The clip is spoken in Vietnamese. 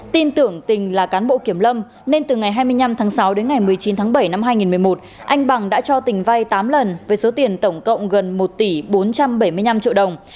tin tưởng tình là cán bộ kiểm lâm nên từ ngày hai mươi năm tháng sáu đến ngày một mươi chín tháng bảy năm hai nghìn một mươi một anh bằng đã cho tình vay tám lần với số tiền tổng cộng gần một tỷ bốn trăm bảy mươi năm triệu đồng